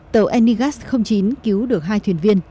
tàu anigas chín cứu được hai thuyền viên